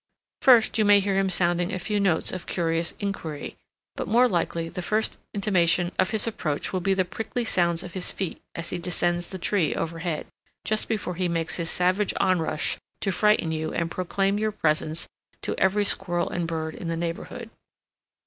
First, you may hear him sounding a few notes of curious inquiry, but more likely the first intimation of his approach will be the prickly sounds of his feet as he descends the tree overhead, just before he makes his savage onrush to frighten you and proclaim your presence to every squirrel and bird in the neighborhood.